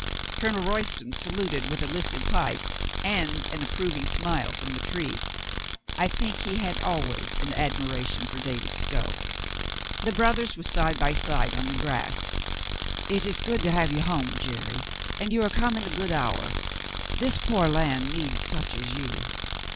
... Colonel Royston saluted with a lifted pipe and an approving smile from the tree. I think he had always an admiration for David Stow. The brothers were side by side on the grass. "It UPON THE USE OF A NOSE 73 is good to have you home, Jerry. And you are come in a good hour. This poor land needs such as you."